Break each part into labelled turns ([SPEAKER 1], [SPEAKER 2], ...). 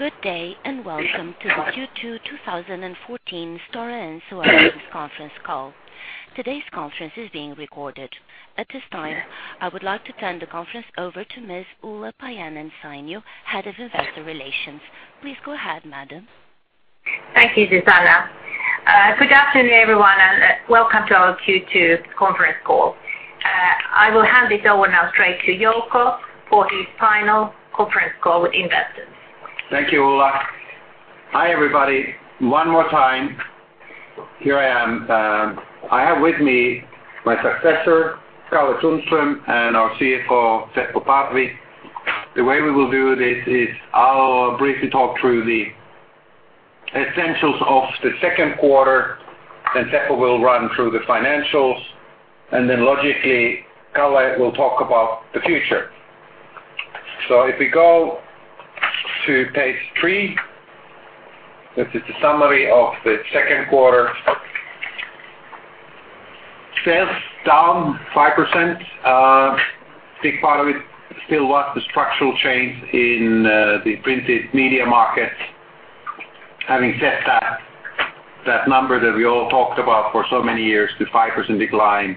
[SPEAKER 1] Good day. Welcome to the Q2 2014 Stora Enso earnings conference call. Today's conference is being recorded. At this time, I would like to turn the conference over to Ms. Ulla Paajanen-Sainio, Head of Investor Relations. Please go ahead, madam.
[SPEAKER 2] Thank you, Susanna. Good afternoon, everyone. Welcome to our Q2 conference call. I will hand it over now straight to Jouko for his final conference call with investors.
[SPEAKER 3] Thank you, Ulla. Hi, everybody. One more time, here I am. I have with me my successor, Kalle Sundström, and our CFO, Seppo Parvi. The way we will do this is I'll briefly talk through the essentials of the second quarter. Seppo will run through the financials. Logically, Kalle will talk about the future. If we go to page three, this is the summary of the second quarter. Sales down 5%. A big part of it still was the structural change in the printed media market. Having said that number that we all talked about for so many years, the 5% decline,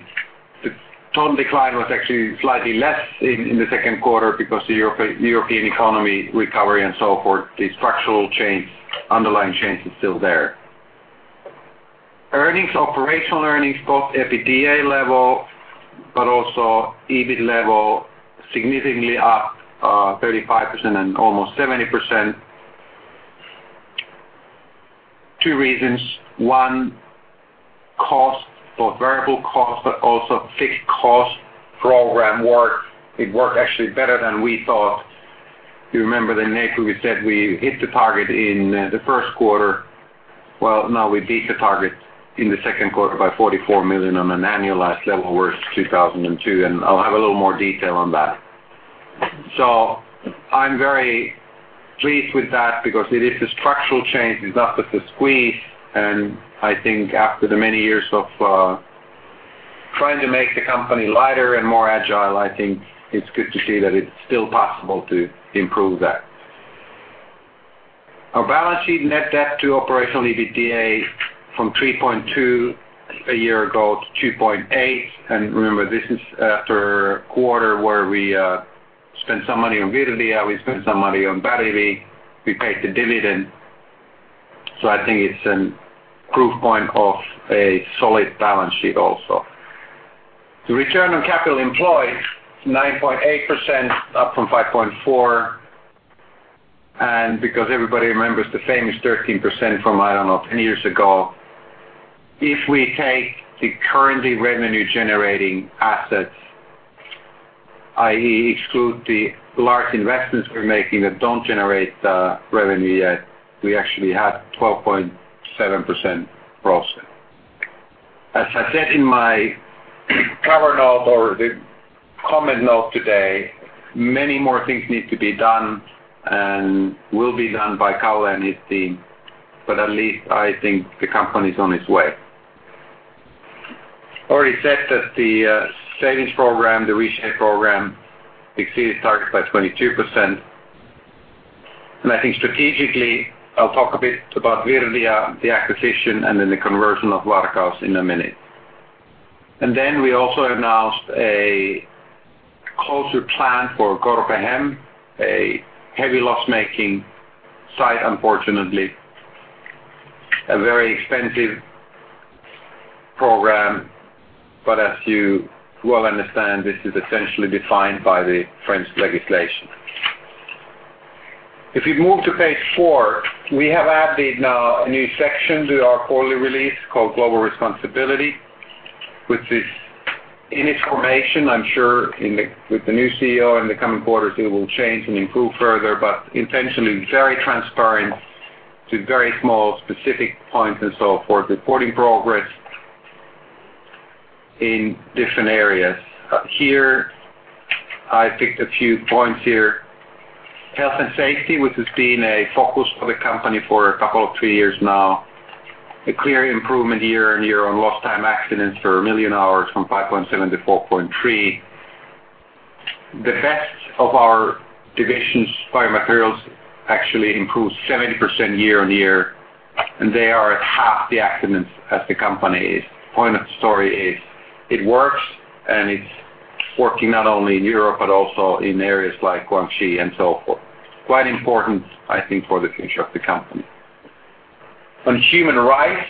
[SPEAKER 3] the total decline was actually slightly less in the second quarter because the European economy recovery and so forth, the structural change, underlying change is still there. Earnings, operational earnings, both EBITDA level, but also EBIT level, significantly up 35% and almost 70%. Two reasons. One, cost, both variable cost, also fixed cost program worked. It worked actually better than we thought. You remember in April, we said we hit the target in the first quarter. Well, now we beat the target in the second quarter by 44 million on an annualized level versus 2002. I'll have a little more detail on that. I'm very pleased with that because it is a structural change. It's not just a squeeze. I think after the many years of trying to make the company lighter and more agile, I think it's good to see that it's still possible to improve that. Our balance sheet net debt to operational EBITDA from 3.2 a year ago to 2.8. Remember, this is after a quarter where we spent some money on Virdia, we spent some money on Batili, we paid the dividend. I think it's a proof point of a solid balance sheet also. The return on capital employed, 9.8%, up from 5.4%. Because everybody remembers the famous 13% from, I don't know, 10 years ago. If we take the currently revenue-generating assets, i.e., exclude the large investments we're making that don't generate revenue yet, we actually had 12.7% growth. As I said in my cover note or the comment note today, many more things need to be done and will be done by Kalle and his team. At least I think the company is on its way. Already said that the savings program, the Reshape program, exceeded target by 22%. I think strategically, I'll talk a bit about Virdia, the acquisition, and then the conversion of Varkaus in a minute. We also announced a closure plan for Corbehem, a heavy loss-making site, unfortunately. A very expensive program. As you well understand, this is essentially defined by the French legislation. If you move to page four, we have added now a new section to our quarterly release called Global Responsibility, which is in its formation. I'm sure with the new CEO in the coming quarters, it will change and improve further, but intentionally very transparent to very small specific points and so forth, reporting progress in different areas. Here, I picked a few points here. Health and safety, which has been a focus for the company for a couple of three years now. A clear improvement year-on-year on lost time accidents for a million hours from 5.7 to 4.3. The best of our divisions, Biomaterials, actually improved 70% year-on-year, and they are at half the accidents as the company is. Point of the story is it works, and it's working not only in Europe but also in areas like Guangxi and so forth. Quite important, I think, for the future of the company. On human rights,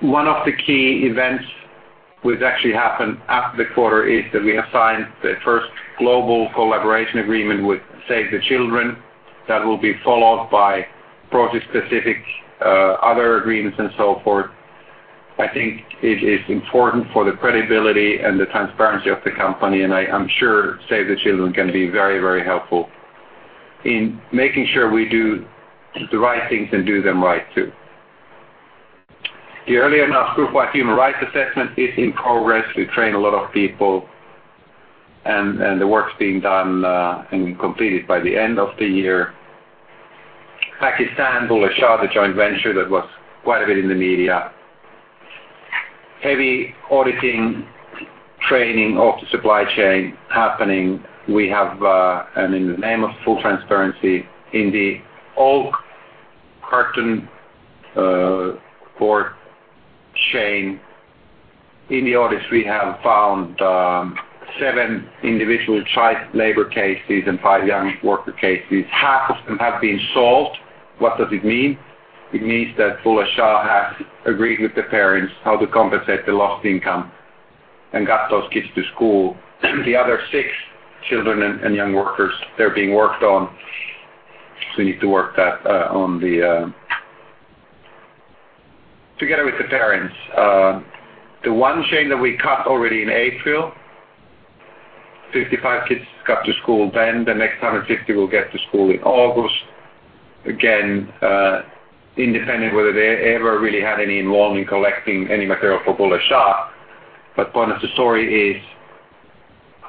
[SPEAKER 3] one of the key events which actually happened at the quarter is that we have signed the first global collaboration agreement with Save the Children. That will be followed by project-specific other agreements and so forth. I think it is important for the credibility and the transparency of the company. I'm sure Save the Children can be very helpful in making sure we do the right things and do them right, too. The earlier announced groupwide human rights assessment is in progress. We train a lot of people. The work's being done and completed by the end of the year. Pakistan, Bulleh Shah, the joint venture that was quite a bit in the media. Heavy auditing training of the supply chain happening. We have, and in the name of full transparency, in the old corrugated cardboard chain, in the audits, we have found seven individual child labor cases and five young worker cases. Half of them have been solved. What does it mean? It means that Bulleh Shah has agreed with the parents how to compensate the lost income and got those kids to school. The other six children and young workers, they're being worked on. We need to work that together with the parents. The one chain that we cut already in April, 55 kids got to school then. The next 150 will get to school in August. Again, independent whether they ever really had any involvement in collecting any material for Bulleh Shah. Point of the story is,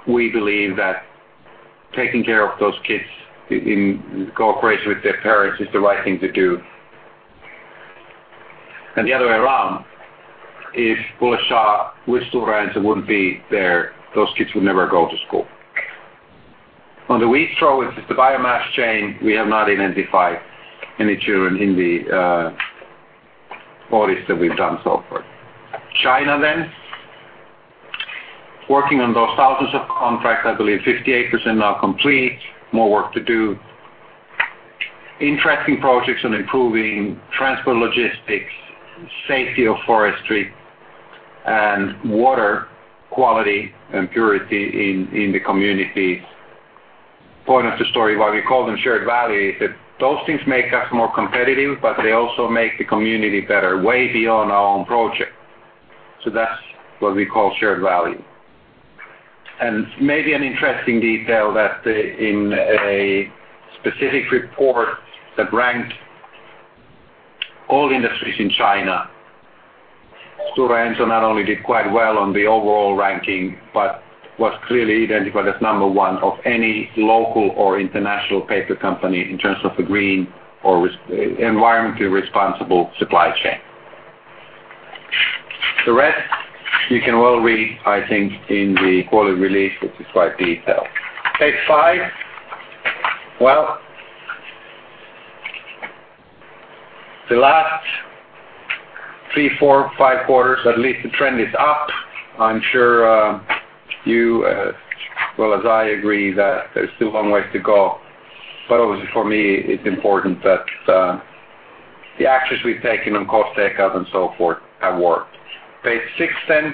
[SPEAKER 3] we believe that taking care of those kids in cooperation with their parents is the right thing to do. And the other way around, if Bulleh Shah with Stora Enso wouldn't be there, those kids would never go to school. On the wheat straw, which is the biomass chain, we have not identified any children in the audits that we've done so far. China. Working on those thousands of contracts, I believe 58% now complete. More work to do. Interesting projects on improving transport logistics, safety of forestry, and water quality and purity in the community. Point of the story, why we call them shared value, is that those things make us more competitive, they also make the community better way beyond our own project. That's what we call shared value. Maybe an interesting detail that in a specific report that ranked all industries in China, Stora Enso not only did quite well on the overall ranking, but was clearly identified as number one of any local or international paper company in terms of a green or environmentally responsible supply chain. The rest you can well read, I think, in the quality release, which is quite detailed. Page five. Well, the last three, four, five quarters, at least the trend is up. Obviously for me, it's important that the actions we've taken on cost takeout and so forth have worked. Page six then,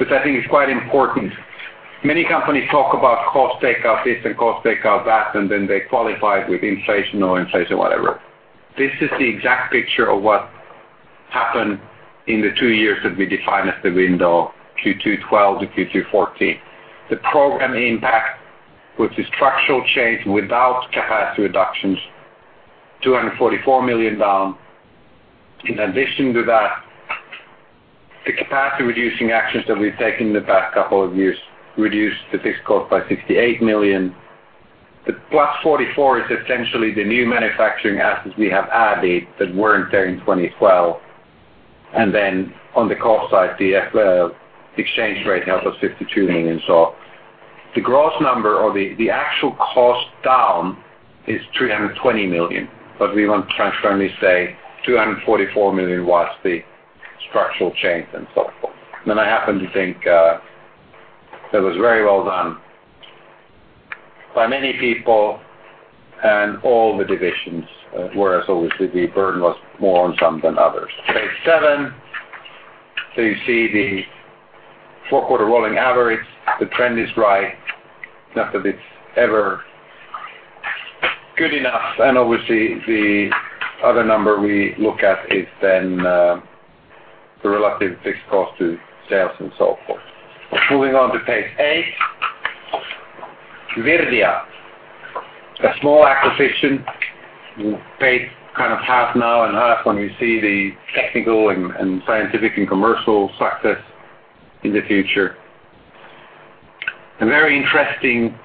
[SPEAKER 3] which I think is quite important. Many companies talk about cost takeout this and cost takeout that, and then they qualify it with inflation or inflation whatever. This is the exact picture of what happened in the two years that we define as the window Q2 2012 to Q2 2014. The program impact, which is structural change without capacity reductions, 244 million down. In addition to that, the capacity-reducing actions that we've taken in the past couple of years reduced the fixed cost by 68 million. The plus 44 is essentially the new manufacturing assets we have added that weren't there in 2012. And on the cost side, the exchange rate helped us 52 million. So the gross number or the actual cost down is 320 million. But we want to transparently say 244 million was the structural change and so forth. I happen to think that was very well done by many people and all the divisions, whereas obviously the burden was more on some than others. Page seven. You see the four-quarter rolling average. The trend is right, not that it's ever good enough. And obviously, the other number we look at is then the relative fixed cost to sales and so forth. Moving on to page eight. Virdia. A small acquisition paid kind of half now and half when you see the technical and scientific and commercial success in the future. A very interesting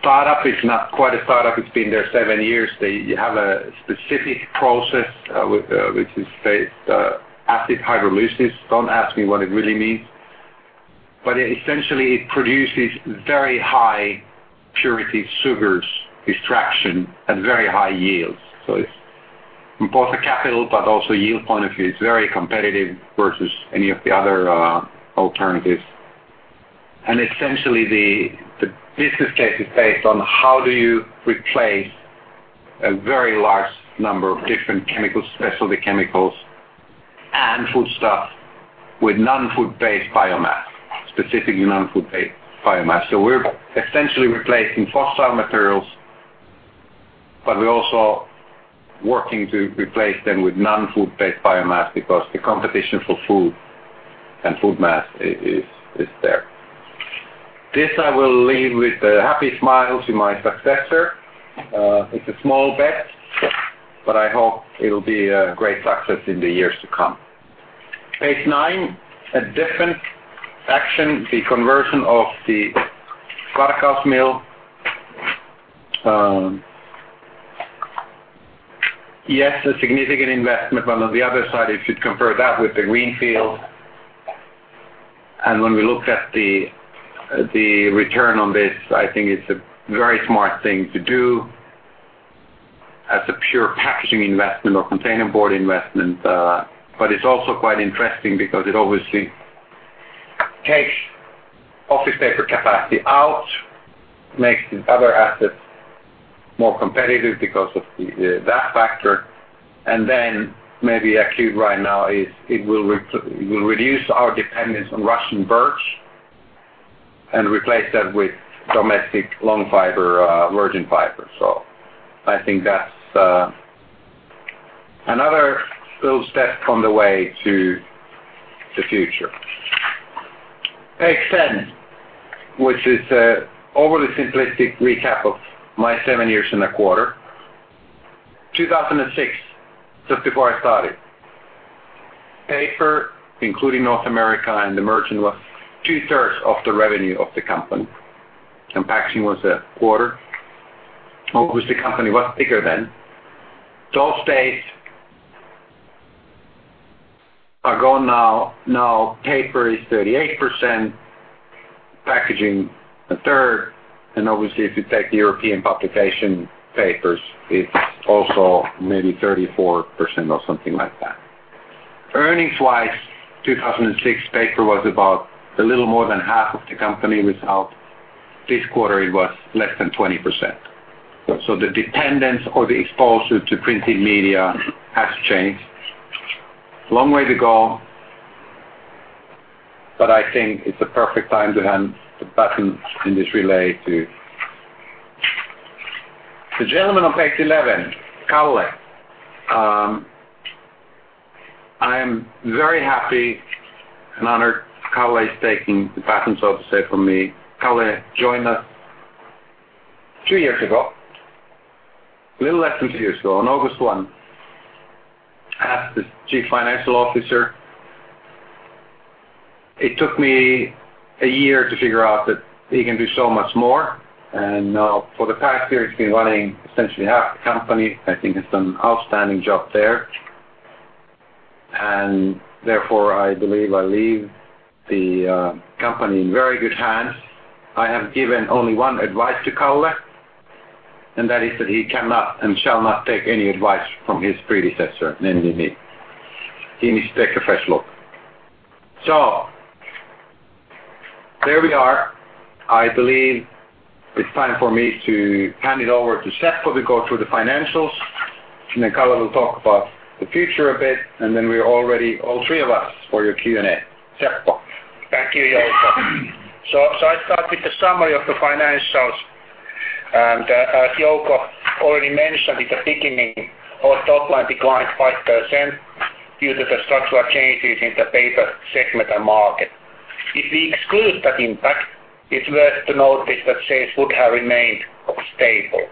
[SPEAKER 3] startup. It's not quite a startup. It's been there 7 years. They have a specific process, which is acid hydrolysis. Don't ask me what it really means. But essentially, it produces very high purity sugars extraction at very high yields. So it's from both a capital but also yield point of view, it's very competitive versus any of the other alternatives. Essentially, the business case is based on how do you replace a very large number of different chemicals, specialty chemicals, and foodstuff with non-food-based biomass, specifically non-food-based biomass. We're essentially replacing fossil materials, but we're also working to replace them with non-food-based biomass because the competition for food and food mass is there. This I will leave with a happy smile to my successor. It's a small bet, but I hope it'll be a great success in the years to come. Page nine. A different action, the conversion of the Varkaus mill. Yes, a significant investment. On the other side, if you compare that with the greenfield, and when we looked at the return on this, I think it's a very smart thing to do as a pure packaging investment or containerboard investment. It's also quite interesting because it obviously takes office paper capacity out, makes other assets more competitive because of that factor, then maybe acute right now is it will reduce our dependence on Russian birch and replace that with domestic long fiber, virgin fiber. I think that's another little step on the way to the future. Page 10, which is an overly simplistic recap of my seven years and a quarter. 2006, just before I started. Paper, including North America and the merchant, was two-thirds of the revenue of the company, and packaging was a quarter. Obviously, the company was bigger then. To this date, are gone now. Paper is 38%, packaging a third, and obviously, if you take the European publication papers, it's also maybe 34% or something like that. Earnings-wise, 2006, paper was about a little more than half of the company result. This quarter it was less than 20%. The dependence or the exposure to printing media has changed. Long way to go, I think it's a perfect time to hand the baton in this relay to the gentleman on page 11, Kalle. I am very happy and honored Kalle is taking the baton, so to say, from me. Kalle joined us two years ago, a little less than two years ago, on August 1 as the Chief Financial Officer. It took me a year to figure out that he can do so much more. Now for the past year, he's been running essentially half the company. I think he's done an outstanding job there. Therefore, I believe I leave the company in very good hands. I have given only one advice to Kalle, that is that he cannot and shall not take any advice from his predecessor, namely me. He needs to take a fresh look. There we are. I believe it's time for me to hand it over to Seppo to go through the financials, then Kalle will talk about the future a bit, then we are all ready, all three of us, for your Q&A. Seppo.
[SPEAKER 4] Thank you, Jouko. I start with the summary of the financials. As Jouko already mentioned in the beginning, our top line declined 5% due to the structural changes in the paper segment and market. If we exclude that impact, it's worth to notice that sales would have remained stable.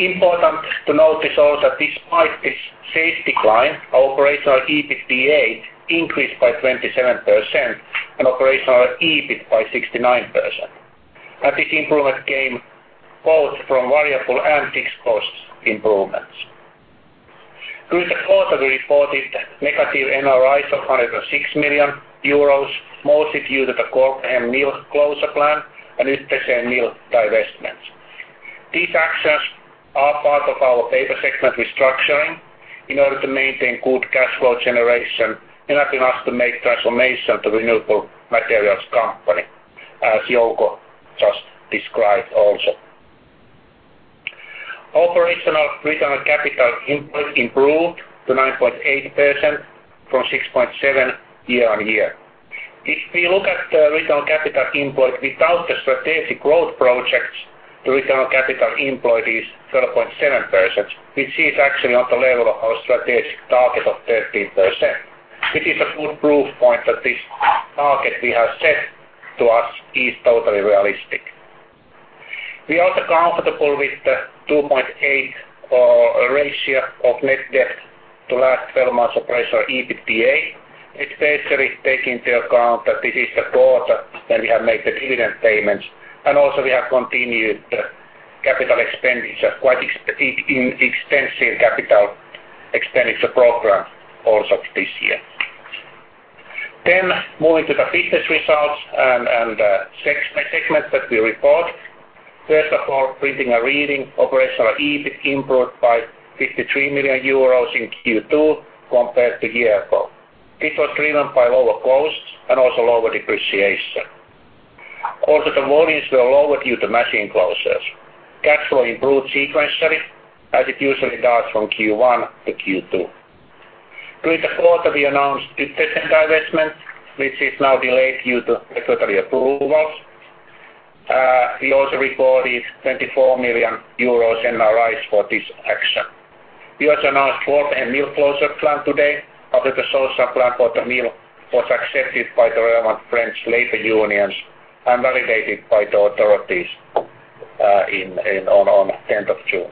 [SPEAKER 4] Important to notice also, despite this sales decline, our operational EBITDA increased by 27% and operational EBIT by 69%. This improvement came both from variable and fixed costs improvements. During the quarter, we reported negative NRIs of 106 million euros, mostly due to the Corbehem mill closure plan and Uetersen mill divestments. These actions are part of our paper segment restructuring in order to maintain good cash flow generation, enabling us to make transformation to renewable materials company, as Jouko just described also. Operational return on capital employed improved to 9.8% from 6.7 year-on-year. If we look at the return on capital employed without the strategic growth projects, the return on capital employed is 12.7%, which is actually on the level of our strategic target of 13%, which is a good proof point that this target we have set to us is totally realistic. We are also comfortable with the 2.8 ratio of net debt to last 12 months operational EBITDA, especially taking into account that this is the quarter that we have made the dividend payments and also we have continued capital expenditure, quite extensive capital expenditure program also this year. Moving to the business results and segment that we report. First of all, Printing and Reading operational EBIT improved by 53 million euros in Q2 compared to a year ago. This was driven by lower costs and also lower depreciation. Also, the volumes were lower due to machine closures. Cash flow improved sequentially as it usually does from Q1 to Q2. During the quarter, we announced Uetersen divestment, which is now delayed due to regulatory approvals. We also recorded 24 million euros NRIs for this action. We also announced Corbehem mill closure plan today after the social plan for the mill was accepted by the relevant French labor unions and validated by the authorities on 10th of June.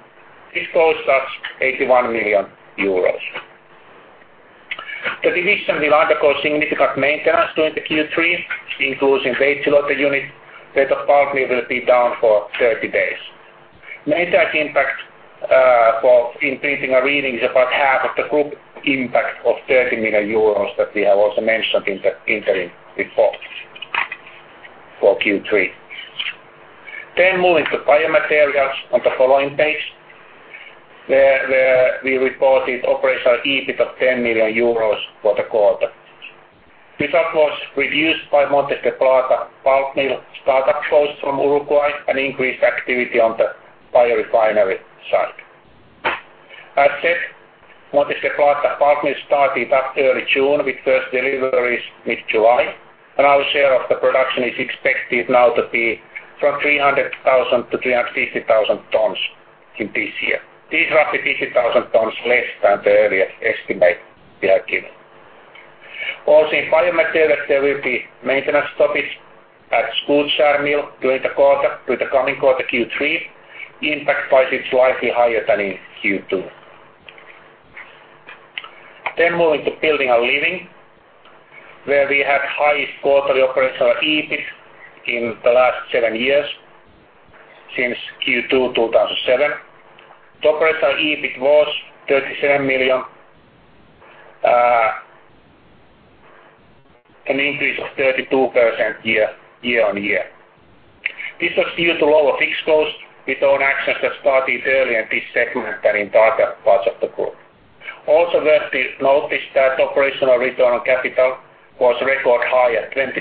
[SPEAKER 4] This cost us 81 million euros. The division will undergo significant maintenance during the Q3, including a base load dryer unit that apparently will be down for 30 days. Maintenance impact for increasing our reading is about half of the group impact of 30 million euros that we have also mentioned in the interim report for Q3. Moving to Biomaterials on the following page, where we reported operational EBIT of 10 million euros for the quarter. This output was reduced by Montes del Plata pulp mill startup costs from Uruguay and increased activity on the biorefinery side. As said, Montes del Plata pulp mill started up early June with first deliveries mid-July, and our share of the production is expected now to be from 300,000 to 350,000 tons in this year. This is roughly 50,000 tons less than the earlier estimate we have given. Also, in Biomaterials, there will be maintenance stoppage at Skutskär mill during the coming quarter Q3, impact by it slightly higher than in Q2. Moving to Building and Living, where we had highest quarterly operational EBIT in the last seven years since Q2 2007. The operational EBIT was EUR 37 million, an increase of 32% year-on-year. This was due to lower fixed costs with own actions that started early in this segment than in other parts of the group. Worth to notice that operational return on capital was record high at 27%.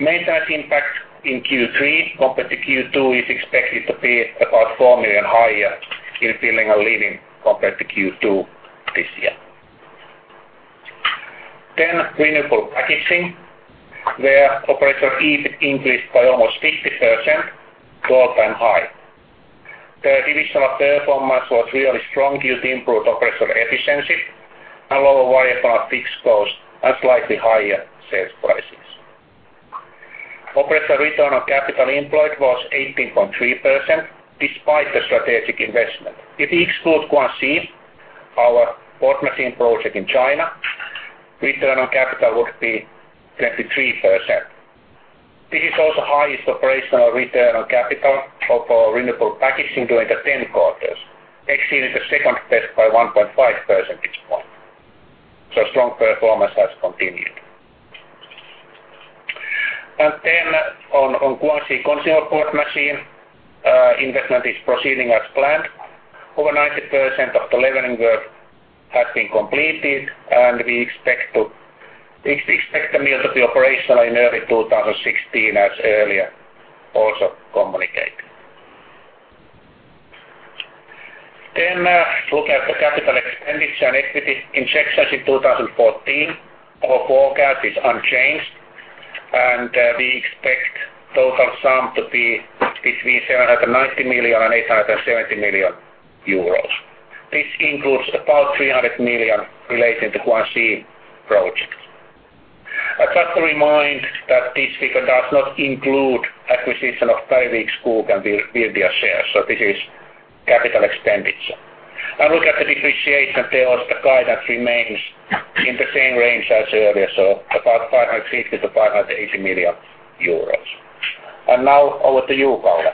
[SPEAKER 4] Maintenance impact in Q3 compared to Q2 is expected to be about 4 million higher in Building and Living compared to Q2 this year. Renewable Packaging, where operational EBIT increased by almost 50%, all-time high. The divisional performance was really strong due to improved operational efficiency and lower year-over-year fixed costs and slightly higher sales prices. Operational return on capital employed was 18.3% despite the strategic investment. If we exclude Guangxi, our board machine project in China, return on capital would be 23%. This is also highest operational return on capital of our Renewable Packaging during the 10 quarters, exceeding the second best by 1.5 percentage point. Strong performance has continued. On Guangxi consumer board machine, investment is proceeding as planned. Over 90% of the leveling work has been completed, we expect the mill to be operational in early 2016 as earlier also communicated. Look at the capital expenditure and equity injections in 2014. Our forecast is unchanged, we expect total sum to be between 790 million-870 million euros. This includes about 300 million relating to Guangxi project. I'd like to remind that this figure does not include acquisition of BillerudKorsnäs shares. This is capital expenditure. Look at the depreciation charge, the guidance remains in the same range as earlier, about 550 million-580 million euros. Now over to you, Kalle.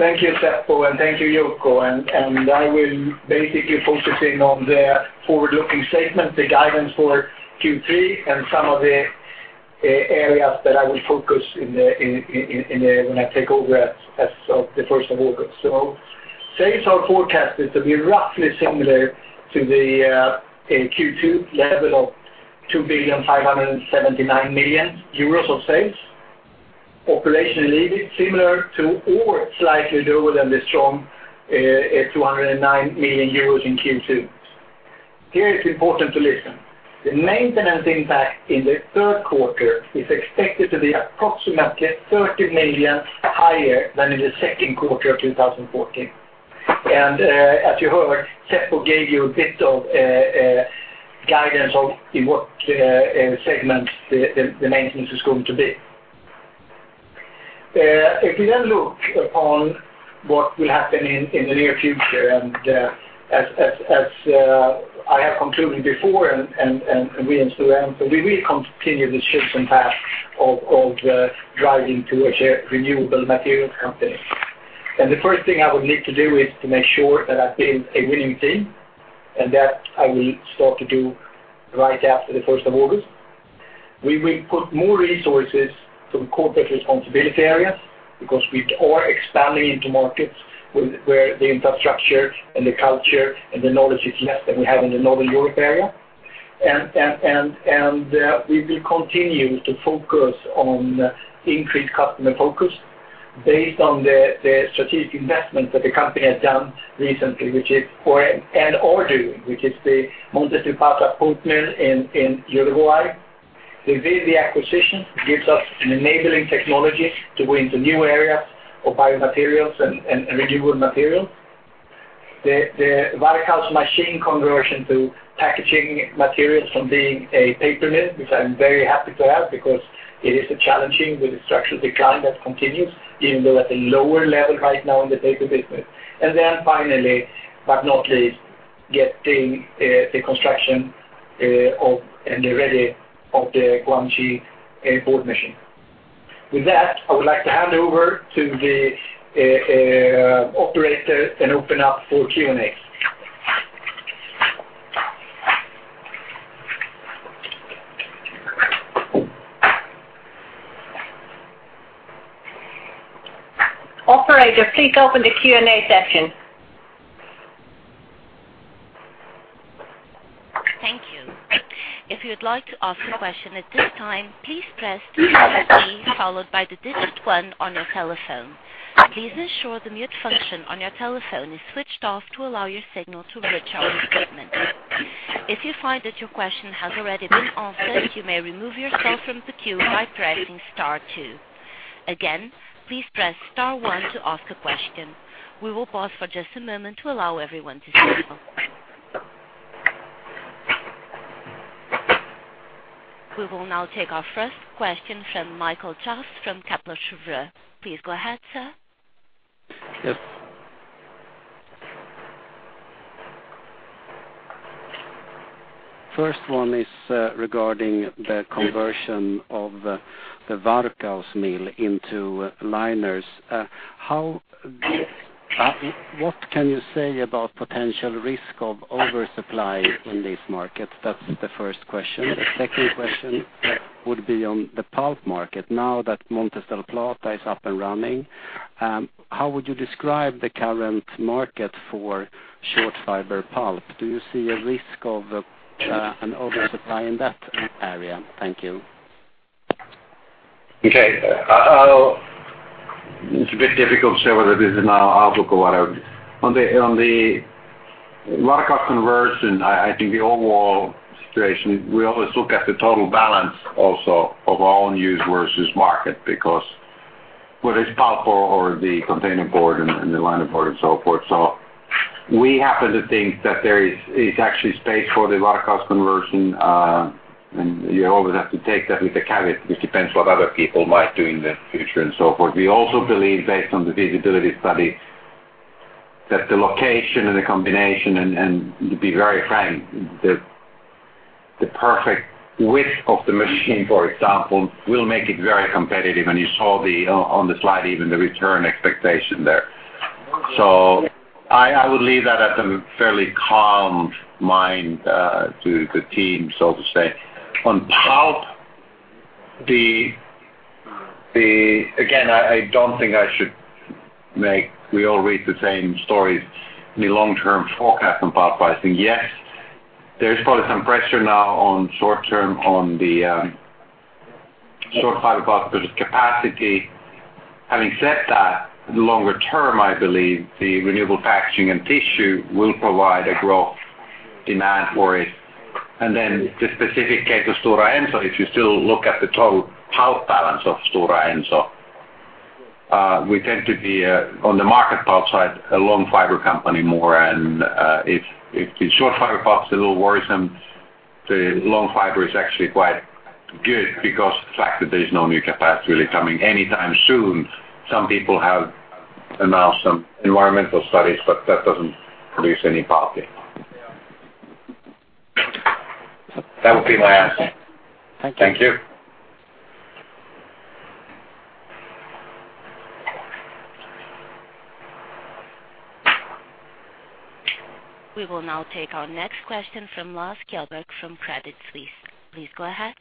[SPEAKER 5] Thank you, Seppo, thank you, Jouko. I will basically focusing on the forward-looking statement, the guidance for Q3 and some of the areas that I will focus when I take over as of the 1st of August. Sales are forecasted to be roughly similar to the Q2 level of 2,579,000 million euros of sales. Operational EBIT similar to or slightly lower than the strong 209 million euros in Q2. Here it's important to listen. The maintenance impact in the third quarter is expected to be approximately 30 million higher than in the second quarter of 2014. As you heard, Seppo gave you a bit of guidance on in what segment the maintenance is going to be. If you look upon what will happen in the near future, as I have concluded before and we in Stora Enso, we will continue the shift in path of driving towards a renewable materials company. The first thing I would need to do is to make sure that I build a winning team, that I will start to do right after the 1st of August. We will put more resources to corporate responsibility areas because we are expanding into markets where the infrastructure and the culture and the knowledge is less than we have in the Northern Europe area. We will continue to focus on increased customer focus based on the strategic investments that the company has done recently and are doing, which is the Montes del Plata pulp mill in Uruguay. The Billerud acquisition gives us an enabling technology to go into new areas of Biomaterials and renewable material. The Whitehouse Machine conversion to packaging materials from being a paper mill, which I'm very happy to have because it is challenging with the structural decline that continues, even though at a lower level right now in the paper business. Finally, but not least, getting the construction They're ready of the Guangxi board machine. With that, I would like to hand over to the operator and open up for Q&A.
[SPEAKER 2] Operator, please open the Q&A session.
[SPEAKER 1] Thank you. If you would like to ask a question at this time, please press star key followed by the digit 1 on your telephone. Please ensure the mute function on your telephone is switched off to allow your signal to reach our equipment. If you find that your question has already been answered, you may remove yourself from the queue by pressing star 2. Again, please press star 1 to ask a question. We will pause for just a moment to allow everyone to do so. We will now take our first question from Michael Jautz from Kepler Cheuvreux. Please go ahead, sir.
[SPEAKER 6] Yes. First one is regarding the conversion of the Varkaus mill into liners. What can you say about potential risk of oversupply in these markets? That's the first question. The second question would be on the pulp market. Now that Montes del Plata is up and running, how would you describe the current market for short fiber pulp? Do you see a risk of an oversupply in that area? Thank you.
[SPEAKER 3] Okay. It's a bit difficult to say whether this is an outlook or whatever. On the Varkaus conversion, I think the overall situation, we always look at the total balance also of our own use versus market, because whether it's pulp or the containerboard and the linerboard and so forth. We happen to think that there is actually space for the Varkaus conversion. You always have to take that with a caveat, which depends what other people might do in the future and so forth. We also believe based on the visibility study, that the location and the combination, and to be very frank, the perfect width of the machine, for example, will make it very competitive. You saw on the slide even the return expectation there. I would leave that at a fairly calmed mind to the team, so to say. On pulp, again, I don't think I should. We all read the same stories in the long term forecast on pulp pricing. Yes, there is probably some pressure now on short term on the short fiber pulp capacity. Having said that, longer term, I believe the Renewable Packaging and tissue will provide a growth demand for it. Then the specific case of Stora Enso, if you still look at the total pulp balance of Stora Enso, we tend to be, on the market pulp side, a long fiber company more. If the short fiber pulp is a little worrisome, the long fiber is actually quite good because the fact that there's no new capacity really coming anytime soon. Some people have announced some environmental studies, but that doesn't produce any pulp yet. That would be my answer.
[SPEAKER 6] Thank you.
[SPEAKER 3] Thank you.
[SPEAKER 1] We will now take our next question from Lars Kjellberg from Credit Suisse. Please go ahead.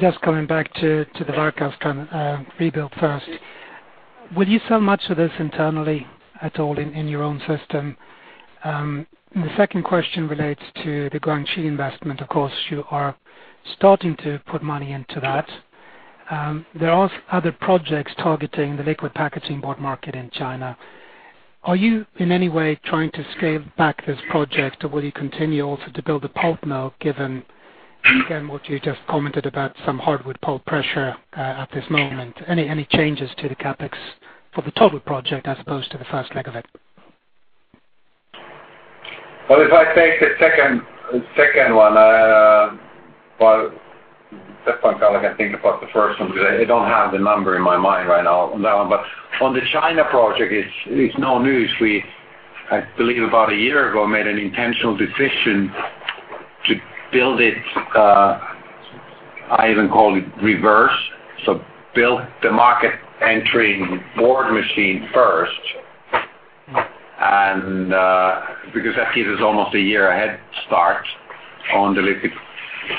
[SPEAKER 7] Just coming back to the Varkaus rebuild first. Will you sell much of this internally at all in your own system? The second question relates to the Guangxi investment. Of course, you are starting to put money into that. There are other projects targeting the liquid packaging board market in China. Are you in any way trying to scale back this project, or will you continue also to build a pulp mill, given, again, what you just commented about some hardwood pulp pressure at this moment? Any changes to the CapEx for the total project as opposed to the first leg of it?
[SPEAKER 3] If I take the second one, at that point I can think about the first one because I don't have the number in my mind right now on that one. On the China project, it's no news. We, I believe about a year ago, made an intentional decision to build it, I even call it reverse. Build the market entry board machine first, because that gives us almost a year ahead start on the liquid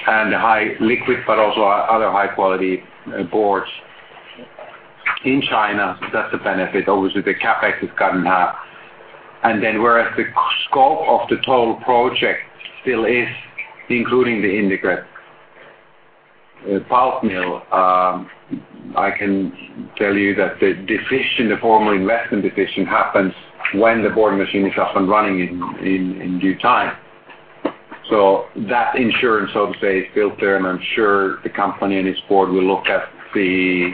[SPEAKER 3] and high liquid, but also other high quality boards in China. That's a benefit. Obviously, the CapEx is cut in half. Whereas the scope of the total project still is including the integrate pulp mill, I can tell you that the decision, the formal investment decision happens when the board machine is up and running in due time. That insurance, so to say, is still there, I'm sure the company and its board will look at the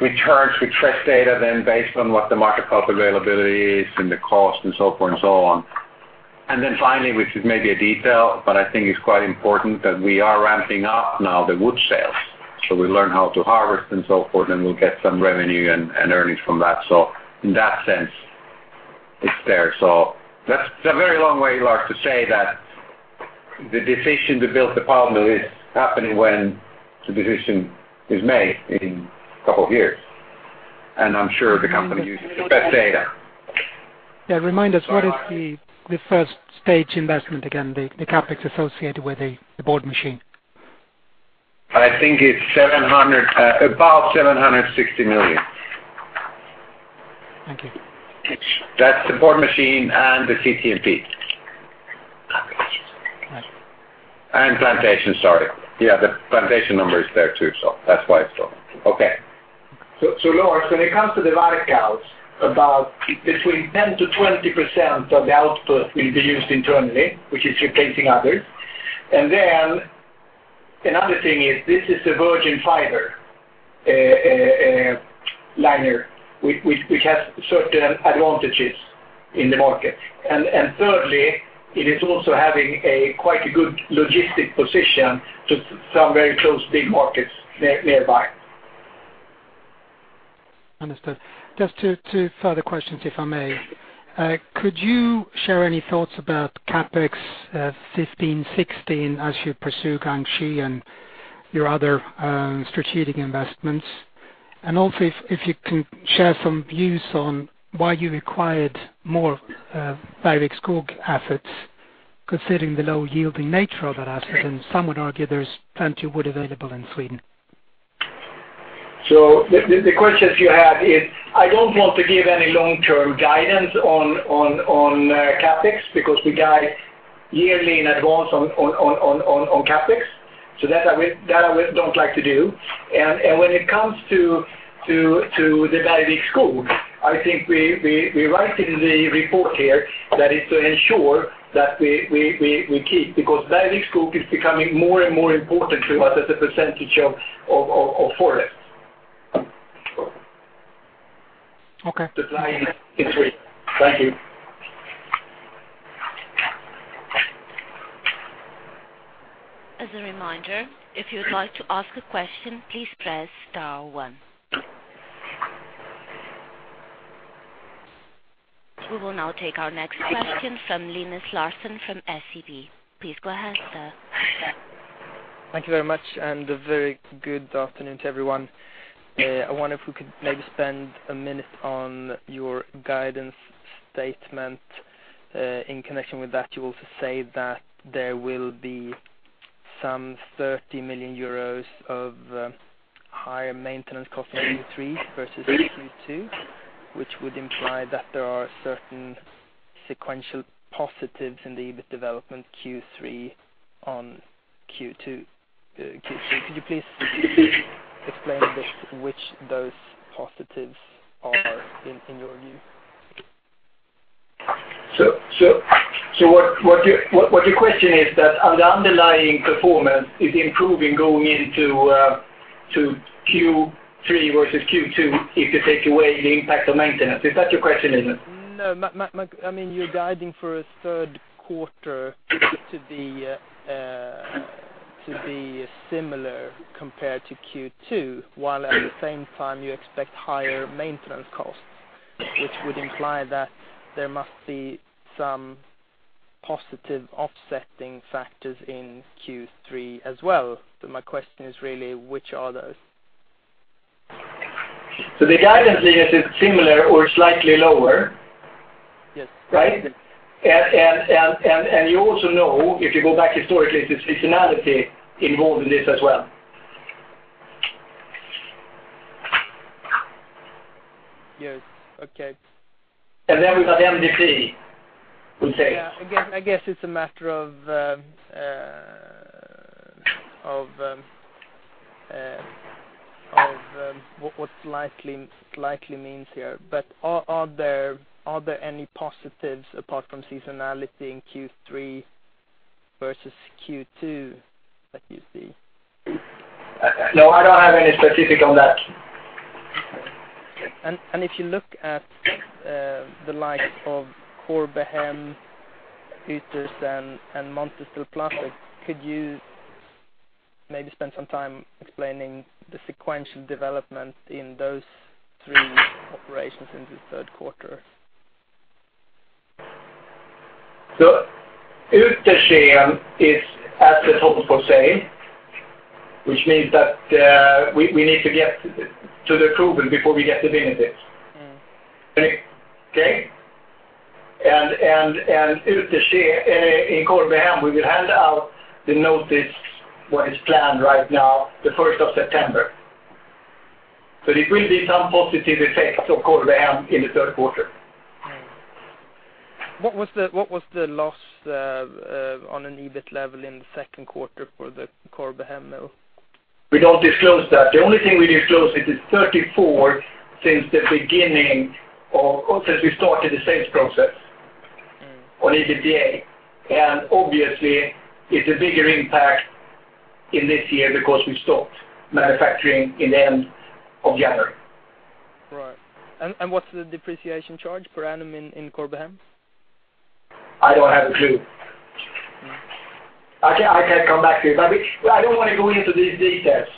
[SPEAKER 3] returns with fresh data then based on what the market pulp availability is and the cost and so forth and so on. Finally, which is maybe a detail, but I think it's quite important that we are ramping up now the wood sales. We learn how to harvest and so forth, then we'll get some revenue and earnings from that. In that sense, it's there. That's a very long way, Lars, to say that the decision to build the pulp mill is happening when the decision is made in a couple of years, I'm sure the company uses the best data.
[SPEAKER 7] Yeah, remind us, what is the first-stage investment again, the CapEx associated with the board machine?
[SPEAKER 3] I think it's about 760 million.
[SPEAKER 7] Thank you.
[SPEAKER 3] That's the board machine and the CTMP.
[SPEAKER 7] Right.
[SPEAKER 3] Plantation, sorry. Yeah, the plantation number is there too, that's why it's okay.
[SPEAKER 5] Lars, when it comes to the Varkaus, about between 10%-20% of the output will be used internally, which is replacing others. Another thing is this is a virgin fiber liner, which has certain advantages in the market. Thirdly, it is also having a quite good logistic position to some very close big markets nearby.
[SPEAKER 7] Understood. Just two further questions, if I may. Could you share any thoughts about CapEx 2015, 2016 as you pursue Guangxi and your other strategic investments? Also if you can share some views on why you acquired more Stora Enso assets, considering the low-yielding nature of that asset, and some would argue there's plenty wood available in Sweden.
[SPEAKER 5] The questions you have is, I don't want to give any long-term guidance on CapEx, because we guide yearly in advance on CapEx. That I don't like to do. When it comes to the Stora Enso, I think we write it in the report here that it's to ensure that we keep, becauseStora Enso is becoming more and more important to us as a percentage of forest.
[SPEAKER 7] Okay.
[SPEAKER 5] Supply in Sweden. Thank you.
[SPEAKER 1] As a reminder, if you would like to ask a question, please press star one. We will now take our next question from Linus Larsson from SEB. Please go ahead, sir.
[SPEAKER 8] Thank you very much, a very good afternoon to everyone. I wonder if we could maybe spend a minute on your guidance statement. In connection with that, you also say that there will be some 30 million euros of higher maintenance costs in Q3 versus Q2, which would imply that there are certain sequential positives in the EBIT development Q3 on Q2. Could you please explain a bit which those positives are in your view?
[SPEAKER 5] What your question is that the underlying performance is improving going into Q3 versus Q2 if you take away the impact of maintenance. Is that your question, Linus?
[SPEAKER 8] No, you're guiding for a third quarter to be similar compared to Q2, while at the same time you expect higher maintenance costs, which would imply that there must be some positive offsetting factors in Q3 as well. My question is really, which are those?
[SPEAKER 5] The guidance is similar or slightly lower.
[SPEAKER 8] Yes.
[SPEAKER 5] Right? You also know, if you go back historically, there's seasonality involved in this as well.
[SPEAKER 8] Yes. Okay.
[SPEAKER 5] We've got MDP, we say.
[SPEAKER 8] Yeah. I guess it's a matter of what slightly means here. Are there any positives apart from seasonality in Q3 versus Q2 that you see?
[SPEAKER 5] No, I don't have any specific on that.
[SPEAKER 8] Okay. If you look at the likes of Corbehem, Uetersen and Montes del Plata, could you maybe spend some time explaining the sequential development in those three operations into third quarter?
[SPEAKER 5] Uetersen is as a total for sale, which means that we need to get to the approval before we get the benefits. Okay. In Corbehem, we will hand out the notice what is planned right now, the 1st of September. There will be some positive effects of Corbehem in the third quarter.
[SPEAKER 8] What was the loss on an EBIT level in the second quarter for the Corbehem mill?
[SPEAKER 5] We don't disclose that. The only thing we disclose, it is 34 since we started the sales process on EBITDA. Obviously, it's a bigger impact in this year because we stopped manufacturing in the end of January.
[SPEAKER 8] Right. What's the depreciation charge per annum in Corbehem?
[SPEAKER 5] I don't have a clue. I can come back to you, but I don't want to go into these details.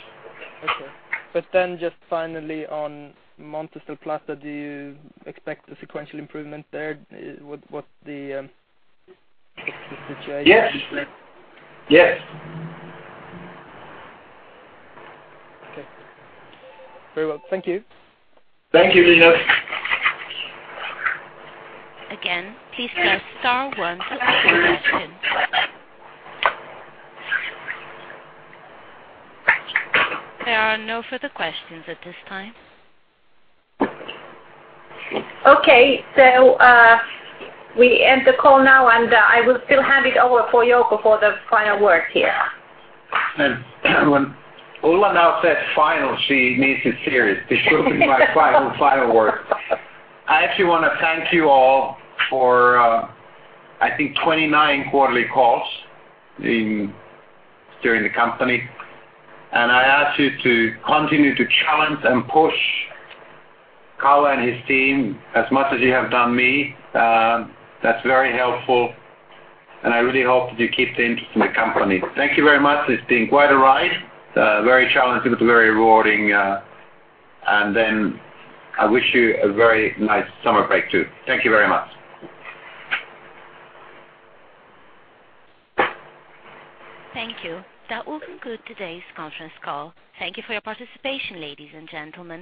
[SPEAKER 8] Okay. Just finally on Montes del Plata, do you expect a sequential improvement there? What's the situation?
[SPEAKER 5] Yes.
[SPEAKER 8] Okay. Very well. Thank you.
[SPEAKER 5] Thank you, Linus.
[SPEAKER 1] Again, please press star one for more questions. There are no further questions at this time.
[SPEAKER 2] Okay, we end the call now, and I will still hand it over for Jouko for the final word here.
[SPEAKER 3] When Ulla now says final, she means it serious. This will be my final word. I actually want to thank you all for, I think, 29 quarterly calls during the company. I ask you to continue to challenge and push Kalle and his team as much as you have done me. That's very helpful, and I really hope that you keep the interest in the company. Thank you very much. It's been quite a ride. Very challenging, but very rewarding. I wish you a very nice summer break, too. Thank you very much.
[SPEAKER 1] Thank you. That will conclude today's conference call. Thank you for your participation, ladies and gentlemen.